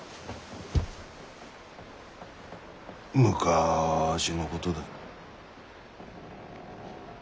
昔のことだ。